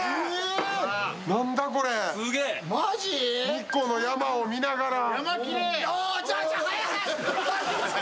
日光の山を見ながら。